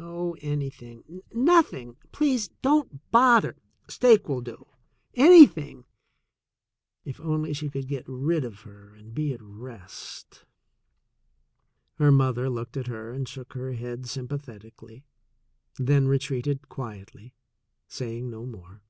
"Oh, anything — nothing — please don't bother — steak will do — anything" — if only she could get rid of her and be at rest! Her mother looked at her and shook her head sym pathetically, then retreated quietly, saying no more.